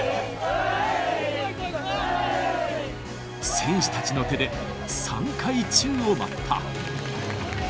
選手たちの手で３回、宙を舞